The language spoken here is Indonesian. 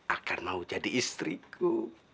akan mau jadi istriku